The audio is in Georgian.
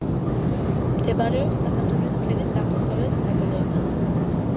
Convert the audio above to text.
მდებარეობს საბადურის ქედის აღმოსავლეთ დაბოლოებაზე.